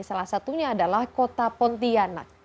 salah satunya adalah kota pontianak